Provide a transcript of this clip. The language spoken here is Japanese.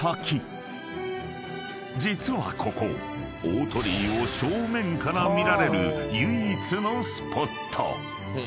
［実はここ大鳥居を正面から見られる唯一のスポット］